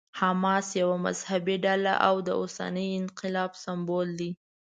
حماس یوه مذهبي ډله او د اوسني انقلاب سمبول دی.